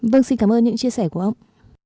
vâng xin cảm ơn những chia sẻ của ông